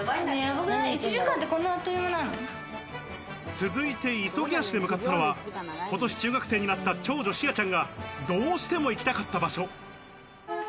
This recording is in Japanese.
続いて急ぎ足で向かったのは、今年、中学生になった長女・幸ちゃんがどうしても行きたかった場所。